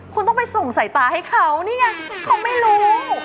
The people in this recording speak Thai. คุณต้องไปส่งสายตาให้เขานี่ไงเขาไม่รู้